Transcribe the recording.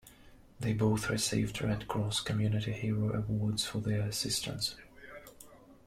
They both received Red Cross "Community Hero" awards for their assistance.